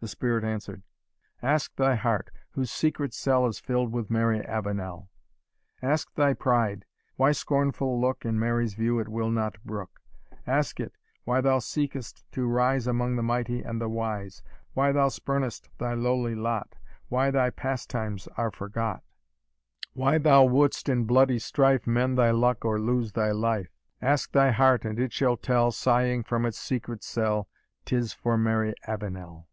The spirit answered, "Ask thy heart, whose secret cell Is fill'd with Marv Avenel! Ask thy pride, why scornful look In Mary's view it will not brook? Ask it, why thou seek'st to rise Among the mighty and the wise? Why thou spurn'st thy lowly lot? Why thy pastimes are forgot? Why thou wouldst in bloody strife Mend thy luck or lose thy life? Ask thy heart, and it shall tell, Sighing from its secret cell, 'Tis for Mary Avenel."